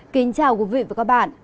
kính chào quý vị và các bạn